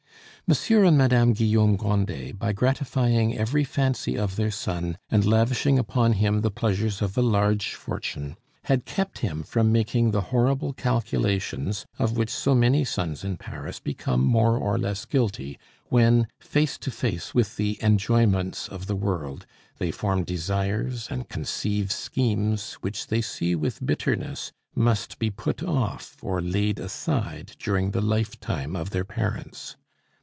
Monsieur and Madame Guillaume Grandet, by gratifying every fancy of their son, and lavishing upon him the pleasures of a large fortune, had kept him from making the horrible calculations of which so many sons in Paris become more or less guilty when, face to face with the enjoyments of the world, they form desires and conceive schemes which they see with bitterness must be put off or laid aside during the lifetime of their parents.